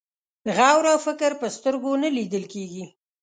غور او فکر په سترګو نه لیدل کېږي.